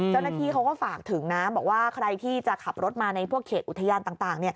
เจ้าหน้าที่เขาก็ฝากถึงนะบอกว่าใครที่จะขับรถมาในพวกเขตอุทยานต่าง